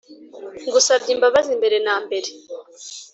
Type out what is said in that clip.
ngusabye imbabazi mbere nambere